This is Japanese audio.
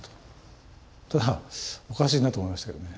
ただおかしいなと思いましたけどね。